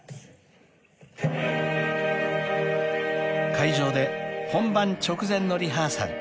［会場で本番直前のリハーサル］